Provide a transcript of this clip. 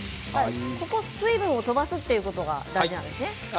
水分を飛ばすということが大事なんですね。